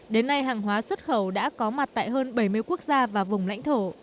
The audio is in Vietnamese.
đến nay hàng hóa xuất khẩu đã có mặt tại hơn bảy mươi quốc gia và vùng lãnh thổ